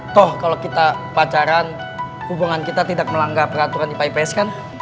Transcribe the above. toh kalau kita pacaran hubungan kita tidak melanggar peraturan ipa ips kan